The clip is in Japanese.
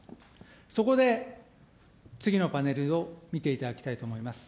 そこで、次のパネルを見ていただきたいと思います。